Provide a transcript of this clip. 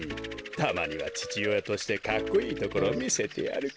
たまにはちちおやとしてかっこいいところをみせてやるか。